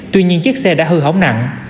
tuy nhiên chiếc xe đã hư hóng nặng